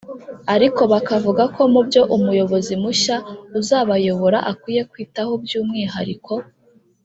ariko bakavuga ko mubyo umuyobozi mushya uzabayobora akwiye kwitaho by’umwihariko